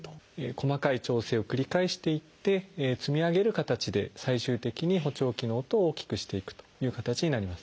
細かい調整を繰り返していって積み上げる形で最終的に補聴器の音を大きくしていくという形になります。